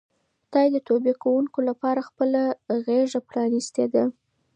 خدای د توبې کوونکو لپاره خپله غېږه پرانیستې ده.